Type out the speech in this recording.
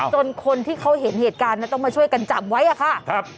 จนคนที่เขาเห็นเหตุการณ์ต้องมาช่วยกันจับไว้อะค่ะ